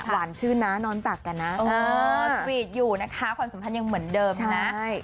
หวานชื่นน้านอนตักกันนะอ๋ออยู่นะคะความสำคัญยังเหมือนเดิมนะ